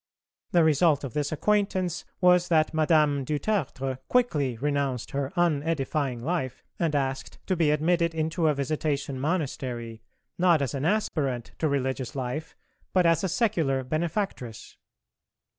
The result of this acquaintance was that Madame du Tertre quickly renounced her unedifying life and asked to be admitted into a Visitation Monastery, not as an aspirant to religious life but as a secular benefactress.